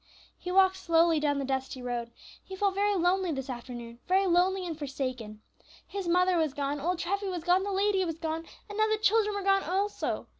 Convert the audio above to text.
He walked slowly down the dusty road. He felt very lonely this afternoon, very lonely and forsaken. His mother was gone; old Treffy was gone! the lady was gone! and now the children were gone also!